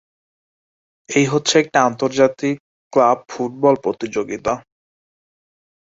এই হচ্ছে একটি আন্তর্জাতিক ক্লাব ফুটবল প্রতিযোগিতা।